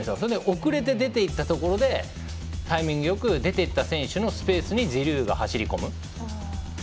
遅れて出て行ったところでタイミングよく出て行った選手のスペースにジルーが走り込む。